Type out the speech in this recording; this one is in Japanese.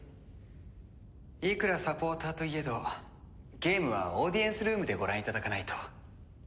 いくらサポーターといえどゲームはオーディエンスルームでご覧いただかないと。